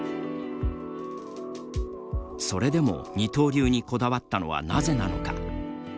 それでも二刀流にこだわったのはなぜなのか。